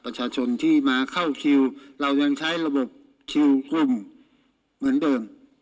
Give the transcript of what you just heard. ประชาชนที่มาเข้าคิวเรายังใช้ระบบคิวกลุ่มเหมือนเดิม